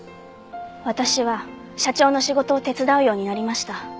私は社長の仕事を手伝うようになりました。